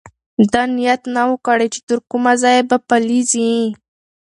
ده نیت نه و کړی چې تر کومه ځایه به پلی ځي.